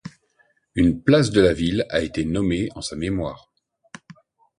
Une place de la ville a été nommée en sa mémoire.